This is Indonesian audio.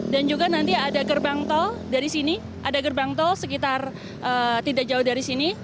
dan juga nanti ada gerbang tol dari sini ada gerbang tol sekitar tidak jauh dari sini